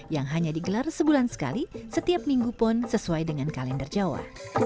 yang hanya digelar sebulan sekali setiap minggu pun sesuai dengan kalender jawa